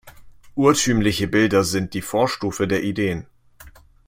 Urtümliche Bilder sind die Vorstufe der Ideen.